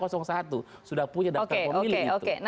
sudah punya daftar pemilih